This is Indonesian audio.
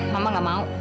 mama nggak mau